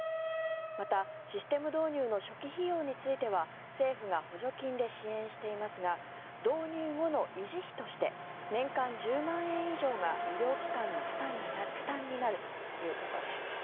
また、システム導入の初期費用については政府が補助金で支援していますが導入後の維持費として年間１０万円以上が医療機関の負担になるということです。